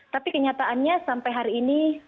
tapi kenyataannya sampai hari ini